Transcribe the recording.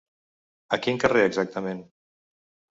A quin carrer exactament?